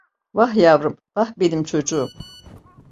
Vah yavrum, vah benim çocuğum…